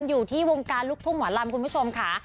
อยู่ที่วงการลูกทุ่งหมอลำคุณผู้ชมค่ะ